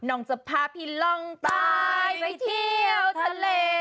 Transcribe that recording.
น้องจะพาพี่ลองตายไปเที่ยวทะเล